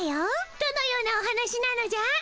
どのようなお話なのじゃ？